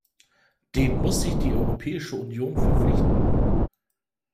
Dem muss sich die Europäische Union verpflichten.